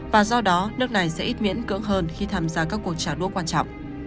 và do đó nước này sẽ ít miễn cưỡng hơn khi tham gia các cuộc trả đũa quan trọng